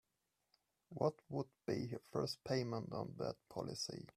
What would be her first payment on that policy?